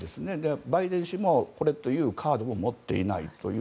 バイデン氏もこれというカードを持っていないという。